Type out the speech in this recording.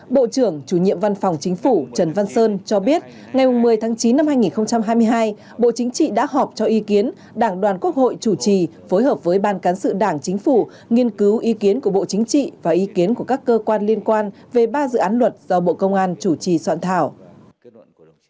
bộ trưởng chủ nhiệm văn phòng chính phủ trần văn sơn cho biết ngày một mươi tháng chín năm hai nghìn hai mươi hai bộ chính trị đã họp cho ý kiến đảng đoàn quốc hội chủ trì phối hợp với ban cán sự đảng chính phủ nghiên cứu ý kiến của bộ chính trị và ý kiến của các cơ quan liên quan về ba dự án luật do bộ công an chủ trì soạn thảo